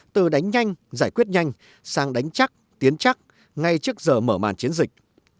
từ đánh nhanh giải quyết nhanh sang đánh chắc tiến chắc ngay trước giờ mở màn chiến dịch